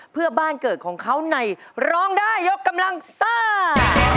เพื่อบ้านเกิดของเขาในร้องได้ยกกำลังซ่า